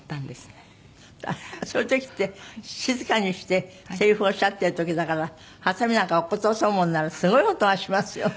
そういう時って静かにしてせりふおっしゃってる時だからはさみなんか落っことそうものならすごい音がしますよね？